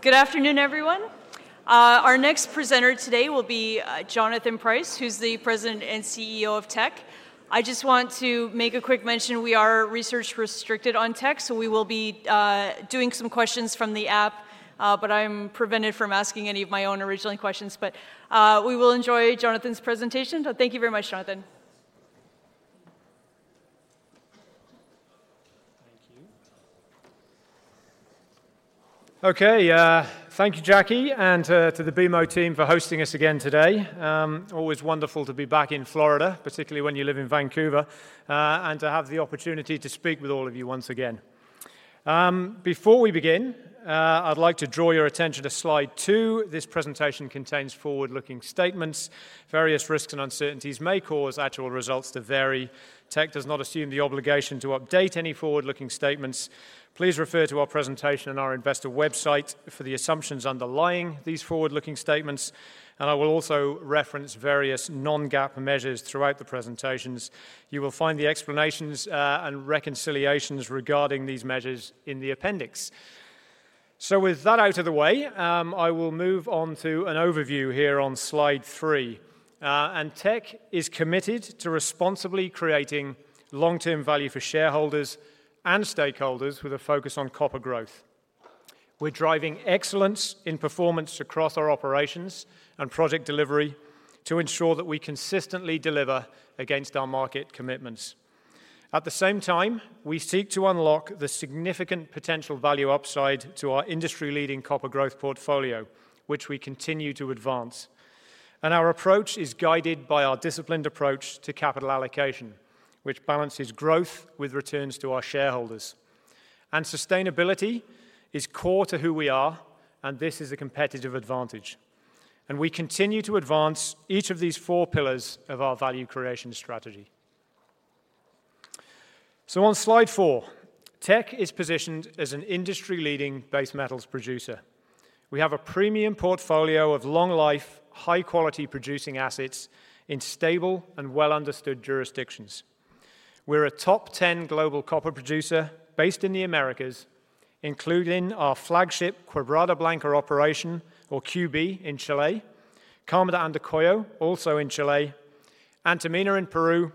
Good afternoon, everyone. Our next presenter today will be Jonathan Price, who's the President and CEO of Teck. I just want to make a quick mention, we are research restricted on Teck, so we will be doing some questions from the app, but I'm prevented from asking any of my own original questions. But we will enjoy Jonathan's presentation. So thank you very much, Jonathan. Thank you. Okay, thank you, Jackie, and to the BMO team for hosting us again today. Always wonderful to be back in Florida, particularly when you live in Vancouver, and to have the opportunity to speak with all of you once again. Before we begin, I'd like to draw your attention to slide 2. This presentation contains forward-looking statements. Various risks and uncertainties may cause actual results to vary. Teck does not assume the obligation to update any forward-looking statements. Please refer to our presentation on our investor website for the assumptions underlying these forward-looking statements, and I will also reference various Non-GAAP measures throughout the presentations. You will find the explanations and reconciliations regarding these measures in the appendix. So with that out of the way, I will move on to an overview here on slide 3. And Teck is committed to responsibly creating long-term value for shareholders and stakeholders with a focus on copper growth. We're driving excellence in performance across our operations and project delivery to ensure that we consistently deliver against our market commitments. At the same time, we seek to unlock the significant potential value upside to our industry-leading copper growth portfolio, which we continue to advance. And our approach is guided by our disciplined approach to capital allocation, which balances growth with returns to our shareholders. And sustainability is core to who we are, and this is a competitive advantage. And we continue to advance each of these four pillars of our value creation strategy. So on slide four, Teck is positioned as an industry-leading base metals producer. We have a premium portfolio of long-life, high-quality producing assets in stable and well-understood jurisdictions. We're a top 10 global copper producer based in the Americas, including our flagship Quebrada Blanca operation or QB in Chile, Carmen de Andacollo, also in Chile, Antamina in Peru,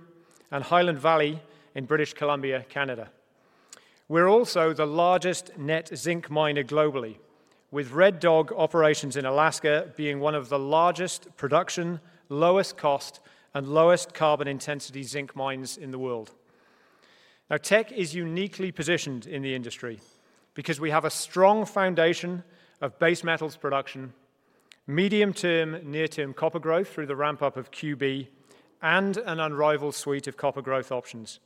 and Highland Valley Copper in British Columbia, Canada. We're also the largest net zinc miner globally, with Red Dog operations in Alaska being one of the largest production, lowest cost, and lowest carbon intensity zinc mines in the world. Now, Teck is uniquely positioned in the industry because we have a strong foundation of base metals production, medium-term, near-term copper growth through the ramp-up of QB, and an unrivaled suite of copper growth options.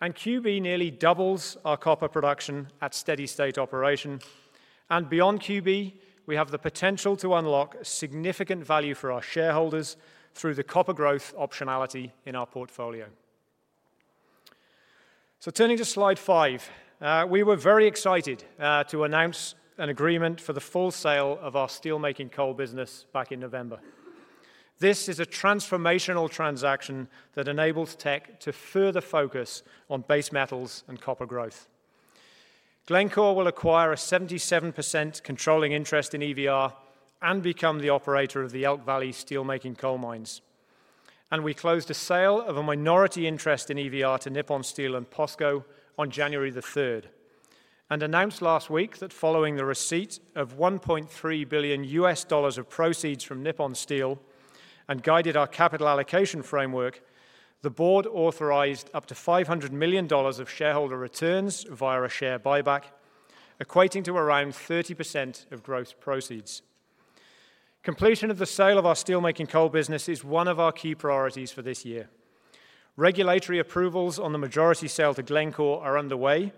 And QB nearly doubles our copper production at steady state operation, and beyond QB, we have the potential to unlock significant value for our shareholders through the copper growth optionality in our portfolio. So turning to slide 5, we were very excited to announce an agreement for the full sale of our steelmaking coal business back in November. This is a transformational transaction that enables Teck to further focus on base metals and copper growth. Glencore will acquire a 77% controlling interest in EVR and become the operator of the Elk Valley steelmaking coal mines. We closed a sale of a minority interest in EVR to Nippon Steel and POSCO on January the third, and announced last week that following the receipt of $1.3 billion of proceeds from Nippon Steel and guided our capital allocation framework, the board authorized up to $500 million of shareholder returns via a share buyback, equating to around 30% of gross proceeds. Completion of the sale of our steelmaking coal business is one of our key priorities for this year. Regulatory approvals on the majority sale to Glencore are underway,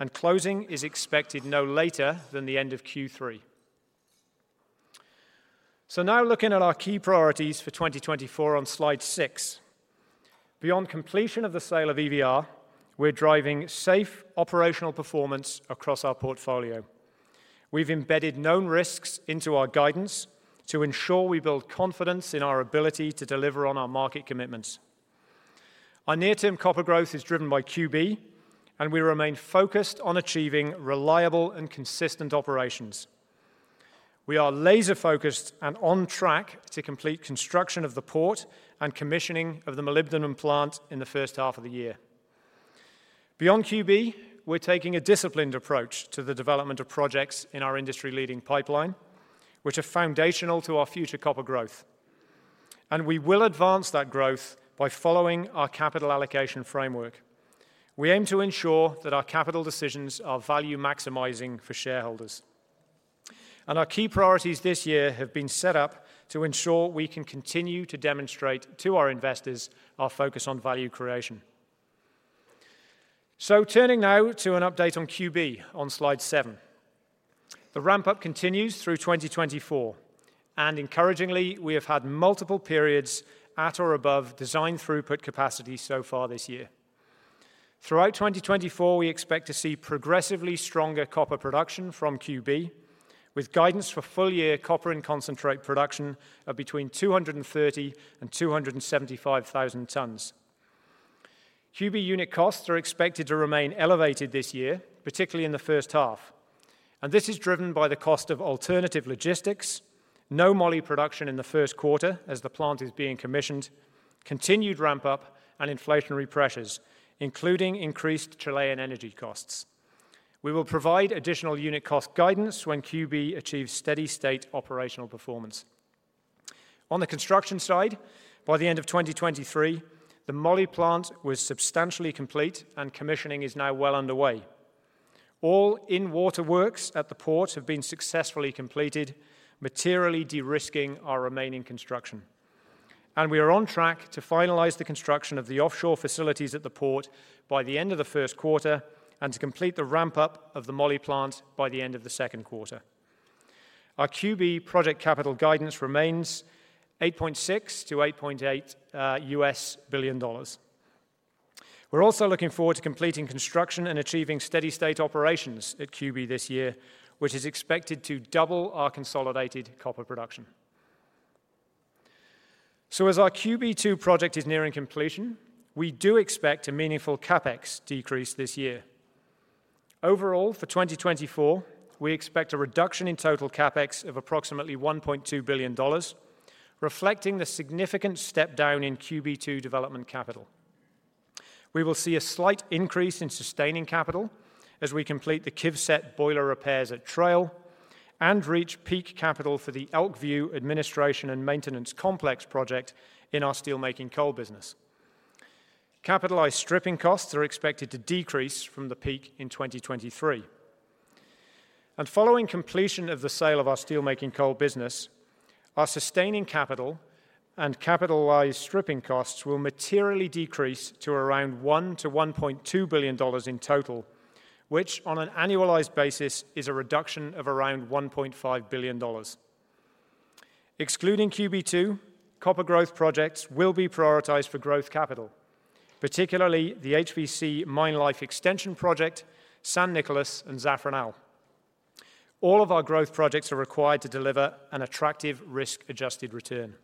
and closing is expected no later than the end of Q3. Now looking at our key priorities for 2024 on slide 6. Beyond completion of the sale of EVR, we're driving safe operational performance across our portfolio. We've embedded known risks into our guidance to ensure we build confidence in our ability to deliver on our market commitments. Our near-term copper growth is driven by QB, and we remain focused on achieving reliable and consistent operations. We are laser-focused and on track to complete construction of the port and commissioning of the molybdenum plant in the first half of the year. Beyond QB, we're taking a disciplined approach to the development of projects in our industry-leading pipeline, which are foundational to our future copper growth, and we will advance that growth by following our capital allocation framework. We aim to ensure that our capital decisions are value-maximizing for shareholders. Our key priorities this year have been set up to ensure we can continue to demonstrate to our investors our focus on value creation. Turning now to an update on QB on slide 7. The ramp-up continues through 2024, and encouragingly, we have had multiple periods at or above design throughput capacity so far this year. Throughout 2024, we expect to see progressively stronger copper production from QB, with guidance for full-year copper and concentrate production of between 230,000 and 275,000 tons. QB unit costs are expected to remain elevated this year, particularly in the first half. This is driven by the cost of alternative logistics, no moly production in the first quarter as the plant is being commissioned, continued ramp-up, and inflationary pressures, including increased Chilean energy costs. We will provide additional unit cost guidance when QB achieves steady-state operational performance. On the construction side, by the end of 2023, the moly plant was substantially complete, and commissioning is now well underway. All in-water works at the port have been successfully completed, materially de-risking our remaining construction. We are on track to finalize the construction of the offshore facilities at the port by the end of the first quarter and to complete the ramp-up of the moly plant by the end of the second quarter. Our QB project capital guidance remains $8.6 billion-$8.8 billion. We're also looking forward to completing construction and achieving steady-state operations at QB this year, which is expected to double our consolidated copper production. As our QB2 project is nearing completion, we do expect a meaningful CapEx decrease this year. Overall, for 2024, we expect a reduction in total CapEx of approximately $1.2 billion, reflecting the significant step down in QB2 development capital. We will see a slight increase in sustaining capital as we complete the KIVCET boiler repairs at Trail and reach peak capital for the Elk Valley Administration and Maintenance Complex project in our steelmaking coal business. Capitalized stripping costs are expected to decrease from the peak in 2023. Following completion of the sale of our steelmaking coal business, our sustaining capital and capitalized stripping costs will materially decrease to around $1-$1.2 billion in total, which, on an annualized basis, is a reduction of around $1.5 billion. Excluding QB2, copper growth projects will be prioritized for growth capital, particularly the HVC Mine Life Extension Project, San Nicolás, and Zafranal. All of our growth projects are required to deliver an attractive risk-adjusted return.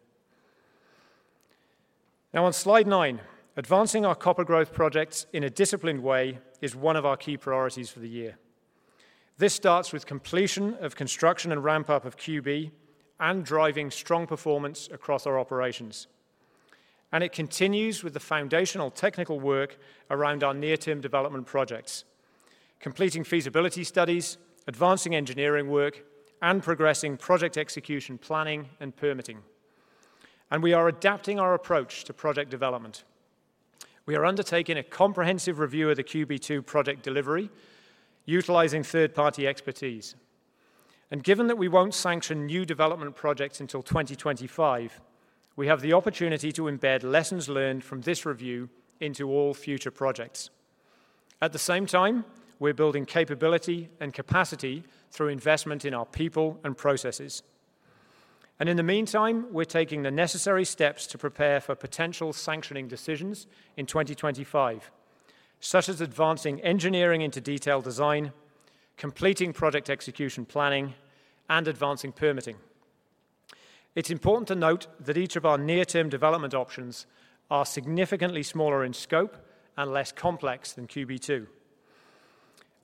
Now, on slide 9, advancing our copper growth projects in a disciplined way is one of our key priorities for the year. This starts with completion of construction and ramp-up of QB and driving strong performance across our operations. And it continues with the foundational technical work around our near-term development projects, completing feasibility studies, advancing engineering work, and progressing project execution planning and permitting. We are adapting our approach to project development. We are undertaking a comprehensive review of the QB2 project delivery, utilizing third-party expertise. Given that we won't sanction new development projects until 2025, we have the opportunity to embed lessons learned from this review into all future projects. At the same time, we're building capability and capacity through investment in our people and processes. In the meantime, we're taking the necessary steps to prepare for potential sanctioning decisions in 2025, such as advancing engineering into detailed design, completing project execution planning, and advancing permitting. It's important to note that each of our near-term development options are significantly smaller in scope and less complex than QB2.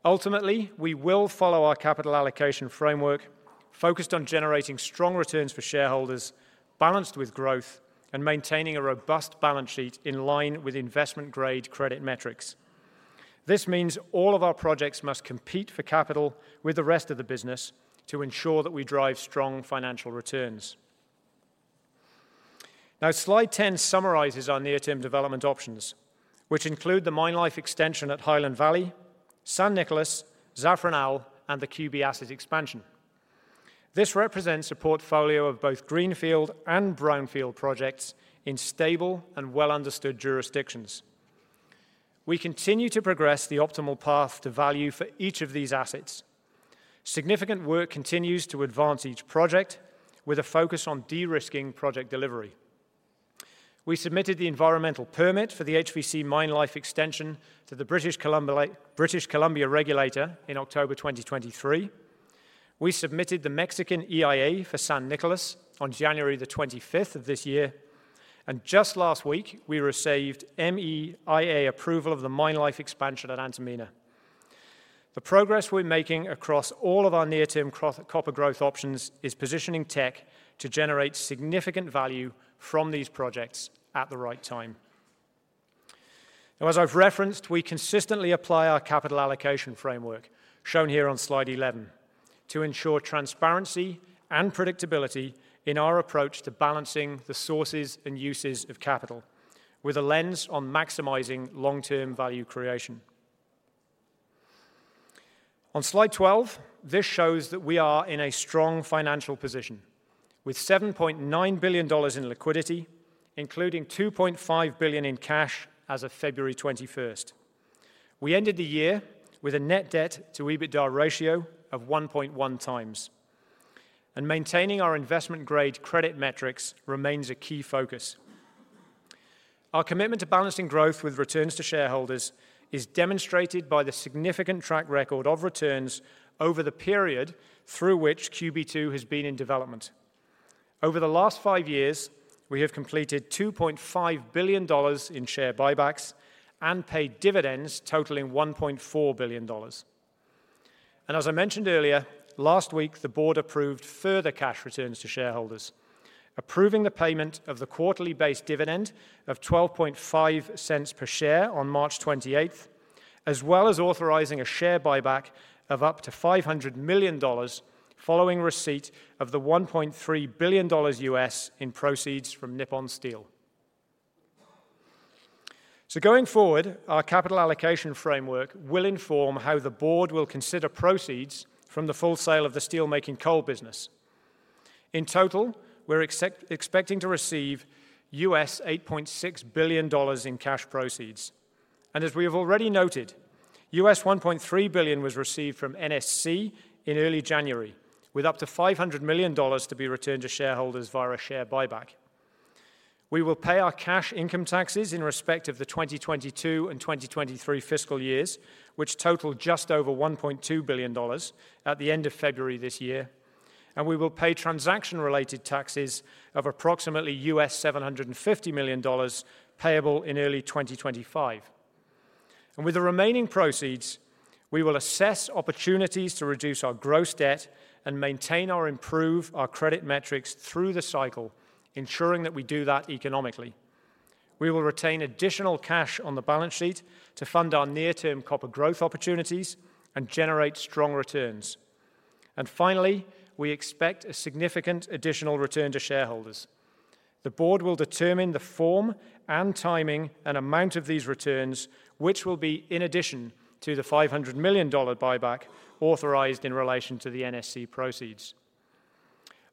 Ultimately, we will follow our capital allocation framework, focused on generating strong returns for shareholders, balanced with growth, and maintaining a robust balance sheet in line with investment-grade credit metrics. This means all of our projects must compete for capital with the rest of the business to ensure that we drive strong financial returns. Now, slide 10 summarizes our near-term development options, which include the mine life extension at Highland Valley, San Nicolás, Zafranal, and the QB asset expansion. This represents a portfolio of both greenfield and brownfield projects in stable and well-understood jurisdictions. We continue to progress the optimal path to value for each of these assets. Significant work continues to advance each project with a focus on de-risking project delivery. We submitted the environmental permit for the HVC mine life extension to the British Columbia regulator in October 2023. We submitted the Mexican EIA for San Nicolás on January 25 of this year, and just last week, we received MEIA approval of the mine life expansion at Antamina. The progress we're making across all of our near-term copper growth options is positioning Teck to generate significant value from these projects at the right time. Now, as I've referenced, we consistently apply our capital allocation framework, shown here on slide 11, to ensure transparency and predictability in our approach to balancing the sources and uses of capital, with a lens on maximizing long-term value creation. On slide 12, this shows that we are in a strong financial position, with $7.9 billion in liquidity, including $2.5 billion in cash as of February 21. We ended the year with a net debt to EBITDA ratio of 1.1 times, and maintaining our investment-grade credit metrics remains a key focus. Our commitment to balancing growth with returns to shareholders is demonstrated by the significant track record of returns over the period through which QB2 has been in development. Over the last 5 years, we have completed $2.5 billion in share buybacks and paid dividends totaling $1.4 billion. As I mentioned earlier, last week, the board approved further cash returns to shareholders, approving the payment of the quarterly base dividend of 12.5 cents per share on March 28, as well as authorizing a share buyback of up to $500 million following receipt of the $1.3 billion in proceeds from Nippon Steel. Going forward, our capital allocation framework will inform how the board will consider proceeds from the full sale of the steelmaking coal business. In total, we're expecting to receive $8.6 billion in cash proceeds. And as we have already noted, $1.3 billion was received from NSC in early January, with up to $500 million to be returned to shareholders via a share buyback. We will pay our cash income taxes in respect of the 2022 and 2023 fiscal years, which totaled just over $1.2 billion at the end of February this year, and we will pay transaction-related taxes of approximately $750 million, payable in early 2025. And with the remaining proceeds, we will assess opportunities to reduce our gross debt and maintain or improve our credit metrics through the cycle, ensuring that we do that economically. We will retain additional cash on the balance sheet to fund our near-term copper growth opportunities and generate strong returns. Finally, we expect a significant additional return to shareholders. The board will determine the form and timing and amount of these returns, which will be in addition to the $500 million buyback authorized in relation to the NSC proceeds.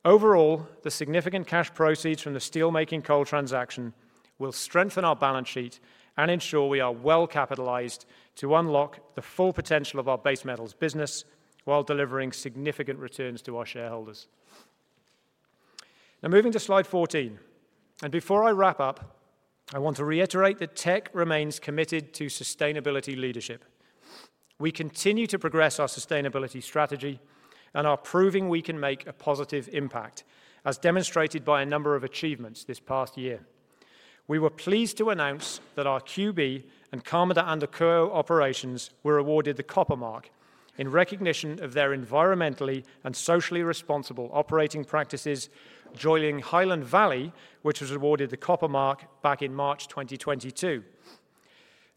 Overall, the significant cash proceeds from the steelmaking coal transaction will strengthen our balance sheet and ensure we are well capitalized to unlock the full potential of our base metals business while delivering significant returns to our shareholders. Now, moving to slide 14, and before I wrap up, I want to reiterate that Teck remains committed to sustainability leadership. We continue to progress our sustainability strategy and are proving we can make a positive impact, as demonstrated by a number of achievements this past year. We were pleased to announce that our QB and Carmen de Andacollo operations were awarded the Copper Mark in recognition of their environmentally and socially responsible operating practices, joining Highland Valley, which was awarded the Copper Mark back in March 2022.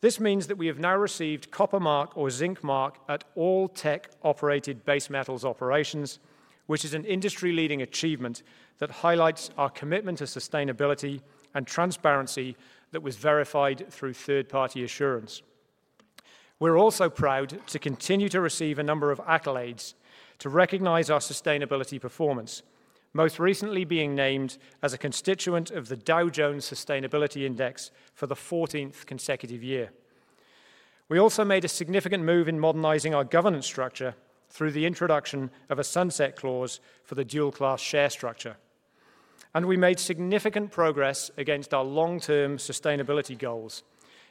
This means that we have now received Copper Mark or Zinc Mark at all Teck-operated base metals operations, which is an industry-leading achievement that highlights our commitment to sustainability and transparency that was verified through third-party assurance. We're also proud to continue to receive a number of accolades to recognize our sustainability performance, most recently being named as a constituent of the Dow Jones Sustainability Index for the fourteenth consecutive year. We also made a significant move in modernizing our governance structure through the introduction of a sunset clause for the dual-class share structure. We made significant progress against our long-term sustainability goals,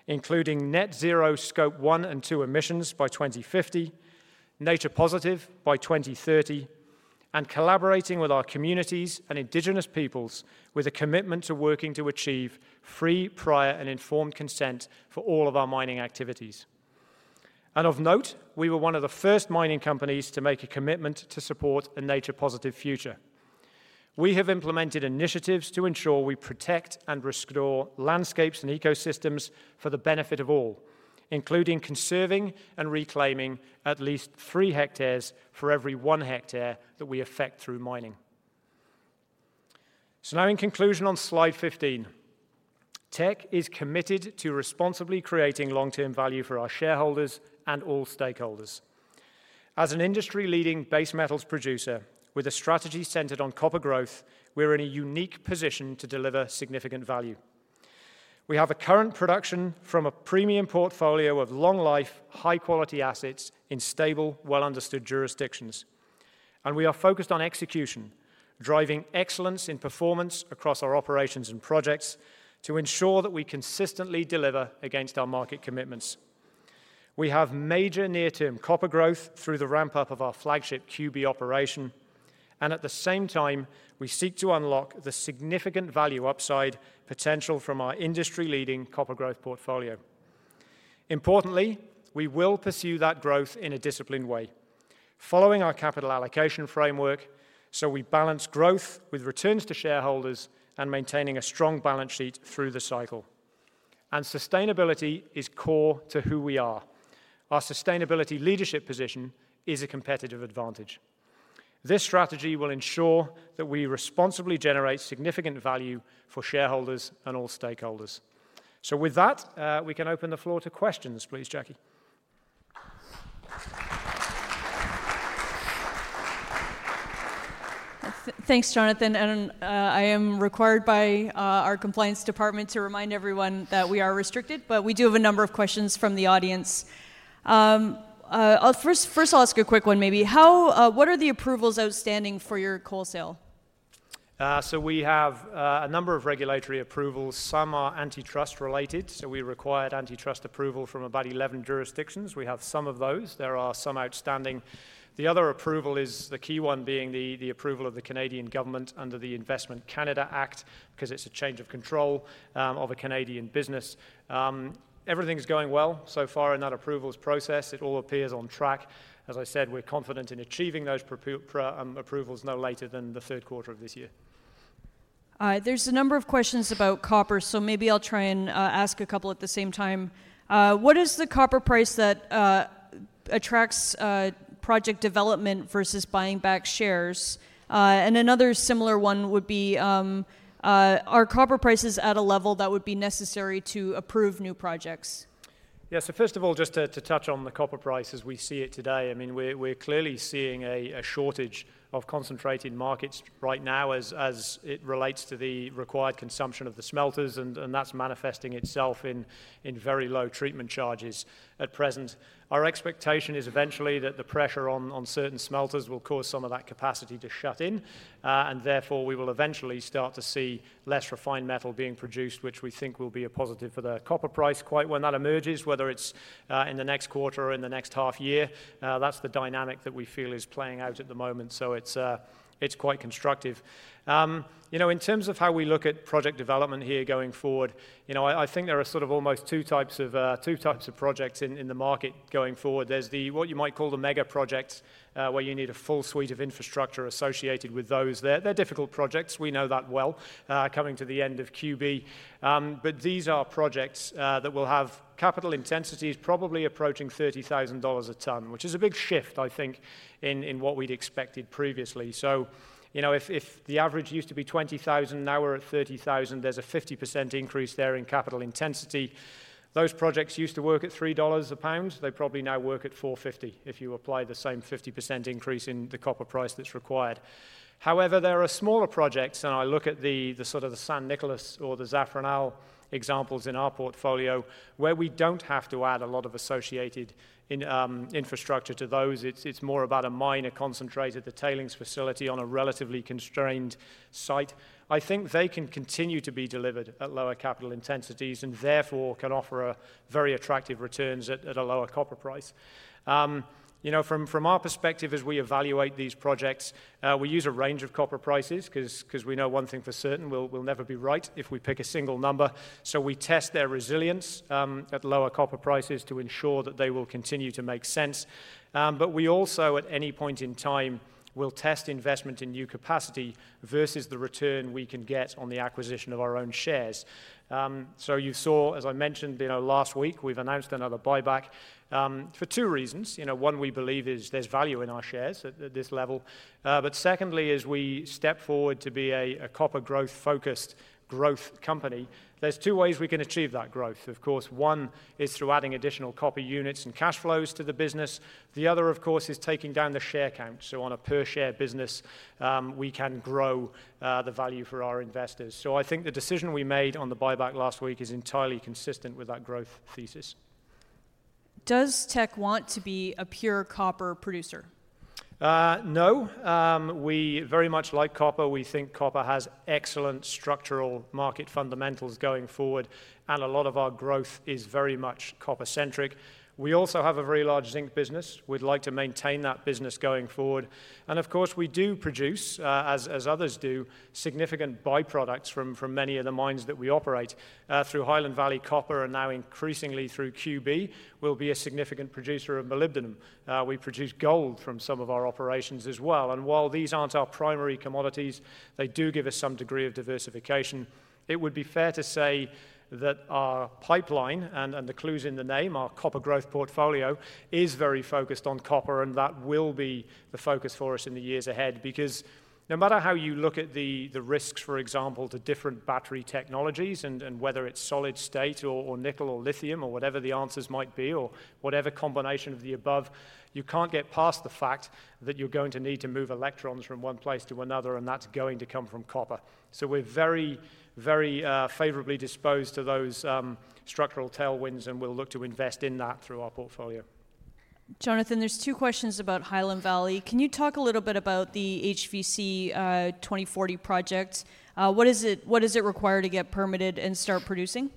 including net zero Scope 1 and 2 emissions by 2050, nature positive by 2030, and collaborating with our communities and Indigenous peoples with a commitment to working to achieve free, prior, and informed consent for all of our mining activities. Of note, we were one of the first mining companies to make a commitment to support a nature-positive future. We have implemented initiatives to ensure we protect and restore landscapes and ecosystems for the benefit of all, including conserving and reclaiming at least 3 hectares for every 1 hectare that we affect through mining. Now, in conclusion, on slide 15, Teck is committed to responsibly creating long-term value for our shareholders and all stakeholders. As an industry-leading base metals producer with a strategy centered on copper growth, we're in a unique position to deliver significant value. We have a current production from a premium portfolio of long-life, high-quality assets in stable, well-understood jurisdictions. We are focused on execution, driving excellence in performance across our operations and projects to ensure that we consistently deliver against our market commitments. We have major near-term copper growth through the ramp-up of our flagship QB operation, and at the same time, we seek to unlock the significant value upside potential from our industry-leading copper growth portfolio. Importantly, we will pursue that growth in a disciplined way, following our capital allocation framework, so we balance growth with returns to shareholders and maintaining a strong balance sheet through the cycle. Sustainability is core to who we are. Our sustainability leadership position is a competitive advantage. This strategy will ensure that we responsibly generate significant value for shareholders and all stakeholders. With that, we can open the floor to questions, please, Jackie. Thanks, Jonathan. I am required by our compliance department to remind everyone that we are restricted, but we do have a number of questions from the audience. I'll first ask a quick one, maybe. How... What are the approvals outstanding for your coal sale? So we have a number of regulatory approvals. Some are antitrust-related, so we required antitrust approval from about 11 jurisdictions. We have some of those. There are some outstanding. The other approval is the key one, being the approval of the Canadian government under the Investment Canada Act, 'cause it's a change of control of a Canadian business. Everything's going well so far in that approvals process. It all appears on track. As I said, we're confident in achieving those approvals no later than the third quarter of this year. There's a number of questions about copper, so maybe I'll try and ask a couple at the same time. What is the copper price that attracts project development versus buying back shares? And another similar one would be, are copper prices at a level that would be necessary to approve new projects? Yeah, so first of all, just to touch on the copper price as we see it today, I mean, we're clearly seeing a shortage of concentrated markets right now as it relates to the required consumption of the smelters, and that's manifesting itself in very low treatment charges at present. Our expectation is eventually that the pressure on certain smelters will cause some of that capacity to shut in, and therefore, we will eventually start to see less refined metal being produced, which we think will be a positive for the copper price. Quite when that emerges, whether it's in the next quarter or in the next half year, that's the dynamic that we feel is playing out at the moment, so it's quite constructive. You know, in terms of how we look at project development here going forward, you know, I think there are sort of almost two types of two types of projects in the market going forward. There's the, what you might call the mega projects, where you need a full suite of infrastructure associated with those. They're difficult projects. We know that well, coming to the end of QB. But these are projects that will have capital intensities probably approaching $30,000 a ton, which is a big shift, I think, in what we'd expected previously. So, you know, if the average used to be 20,000, now we're at 30,000, there's a 50% increase there in capital intensity. Those projects used to work at $3 a pound. They probably now work at $4.50, if you apply the same 50% increase in the copper price that's required. However, there are smaller projects, and I look at the sort of the San Nicolás or the Zafranal examples in our portfolio, where we don't have to add a lot of associated in infrastructure to those. It's more about a mine, a concentrate at the tailings facility on a relatively constrained site. I think they can continue to be delivered at lower capital intensities, and therefore, can offer very attractive returns at a lower copper price. You know, from our perspective, as we evaluate these projects, we use a range of copper prices 'cause we know one thing for certain, we'll never be right if we pick a single number. So we test their resilience at lower copper prices to ensure that they will continue to make sense. But we also, at any point in time, will test investment in new capacity versus the return we can get on the acquisition of our own shares. So you saw, as I mentioned, you know, last week, we've announced another buyback for two reasons. You know, one, we believe is there's value in our shares at this level, but secondly, as we step forward to be a copper growth-focused growth company, there's two ways we can achieve that growth. Of course, one is through adding additional copper units and cash flows to the business. The other, of course, is taking down the share count, so on a per-share business, we can grow the value for our investors. I think the decision we made on the buyback last week is entirely consistent with that growth thesis. Does Teck want to be a pure copper producer? No. We very much like copper. We think copper has excellent structural market fundamentals going forward, and a lot of our growth is very much copper-centric. We also have a very large zinc business. We'd like to maintain that business going forward, and of course, we do produce, as others do, significant byproducts from many of the mines that we operate. Through Highland Valley Copper, and now increasingly through QB, we'll be a significant producer of molybdenum. We produce gold from some of our operations as well, and while these aren't our primary commodities, they do give us some degree of diversification. It would be fair to say that our pipeline, and the clue's in the name, our copper growth portfolio, is very focused on copper, and that will be the focus for us in the years ahead. Because no matter how you look at the risks, for example, to different battery technologies and whether it's solid state or nickel or lithium or whatever the answers might be or whatever combination of the above, you can't get past the fact that you're going to need to move electrons from one place to another, and that's going to come from copper. So we're very, very favorably disposed to those structural tailwinds, and we'll look to invest in that through our portfolio. Jonathan, there's two questions about Highland Valley. Can you talk a little bit about the HVC 2040 project? What does it require to get permitted and start producing?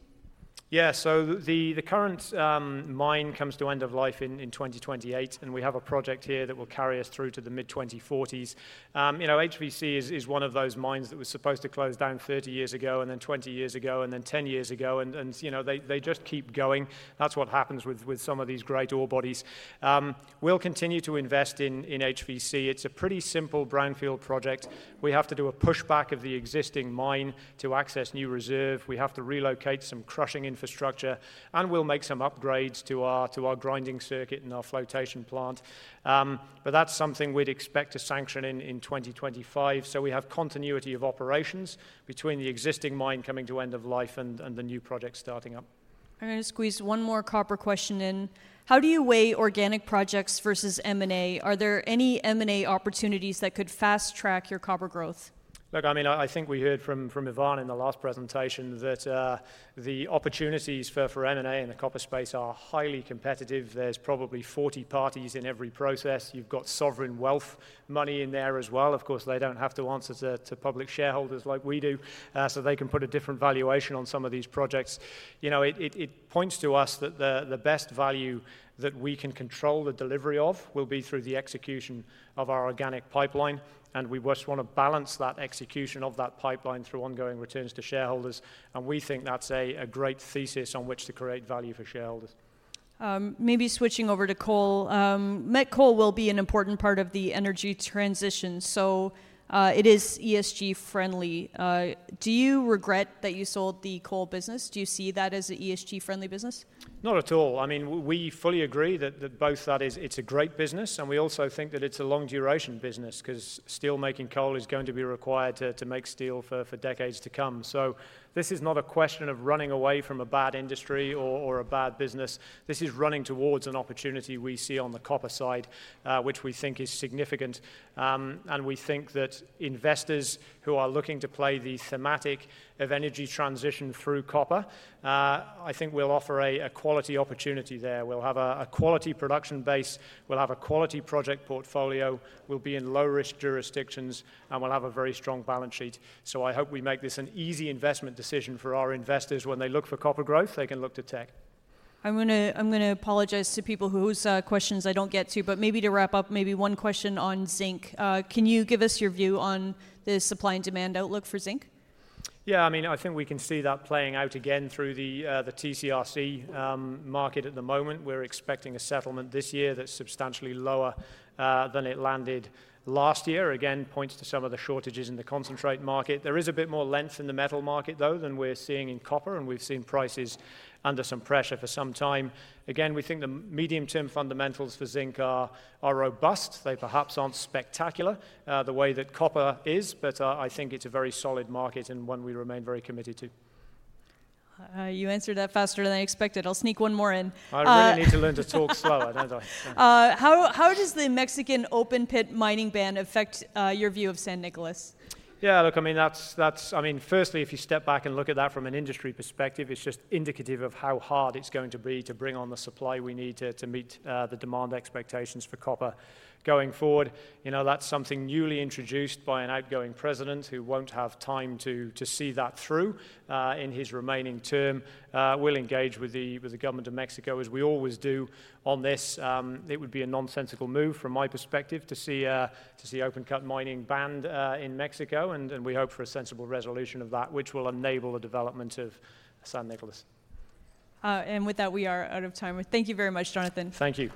Yeah, so the current mine comes to end of life in 2028, and we have a project here that will carry us through to the mid-2040s. You know, HVC is one of those mines that was supposed to close down 30 years ago, and then 20 years ago, and then 10 years ago, and you know, they just keep going. That's what happens with some of these great ore bodies. We'll continue to invest in HVC. It's a pretty simple brownfield project. We have to do a pushback of the existing mine to access new reserve. We have to relocate some crushing infrastructure, and we'll make some upgrades to our grinding circuit and our flotation plant. But that's something we'd expect to sanction in 2025, so we have continuity of operations between the existing mine coming to end of life and the new project starting up. I'm gonna squeeze one more copper question in. How do you weigh organic projects versus M&A? Are there any M&A opportunities that could fast-track your copper growth? Look, I mean, I think we heard from Ivan in the last presentation that the opportunities for M&A in the copper space are highly competitive. There's probably 40 parties in every process. You've got sovereign wealth money in there as well. Of course, they don't have to answer to public shareholders like we do, so they can put a different valuation on some of these projects. You know, it points to us that the best value that we can control the delivery of will be through the execution of our organic pipeline, and we just wanna balance that execution of that pipeline through ongoing returns to shareholders, and we think that's a great thesis on which to create value for shareholders.... Maybe switching over to coal. Met coal will be an important part of the energy transition, so, it is ESG friendly. Do you regret that you sold the coal business? Do you see that as a ESG-friendly business? Not at all. I mean, we fully agree that it is a great business, and we also think that it's a long-duration business, 'cause steel-making coal is going to be required to make steel for decades to come. So this is not a question of running away from a bad industry or a bad business. This is running towards an opportunity we see on the copper side, which we think is significant. And we think that investors who are looking to play the thematic of energy transition through copper, I think we'll offer a quality opportunity there. We'll have a quality production base, we'll have a quality project portfolio, we'll be in low-risk jurisdictions, and we'll have a very strong balance sheet. So I hope we make this an easy investment decision for our investors. When they look for copper growth, they can look to Teck. I'm gonna apologize to people whose questions I don't get to, but maybe to wrap up, maybe one question on zinc. Can you give us your view on the supply and demand outlook for zinc? Yeah, I mean, I think we can see that playing out again through the TC/RC market at the moment. We're expecting a settlement this year that's substantially lower than it landed last year. Again, points to some of the shortages in the concentrate market. There is a bit more length in the metal market, though, than we're seeing in copper, and we've seen prices under some pressure for some time. Again, we think the medium-term fundamentals for zinc are robust. They perhaps aren't spectacular the way that copper is, but I think it's a very solid market, and one we remain very committed to. You answered that faster than I expected. I'll sneak one more in. I really need to learn to talk slower, don't I? How does the Mexican open pit mining ban affect your view of San Nicolás? Yeah, look, I mean, that's... I mean, firstly, if you step back and look at that from an industry perspective, it's just indicative of how hard it's going to be to bring on the supply we need to meet the demand expectations for copper going forward. You know, that's something newly introduced by an outgoing president who won't have time to see that through in his remaining term. We'll engage with the government of Mexico, as we always do on this. It would be a nonsensical move from my perspective to see open pit mining banned in Mexico, and we hope for a sensible resolution of that, which will enable the development of San Nicolás. With that, we are out of time. Thank you very much, Jonathan. Thank you.